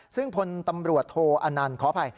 ซึ่งพลตำรวจโทอนันต์ขออภัย